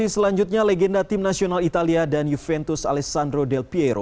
selanjutnya legenda tim nasional italia dan juventus alessandro del piero